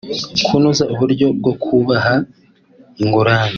kunoza uburyo bwo kubaha ingurane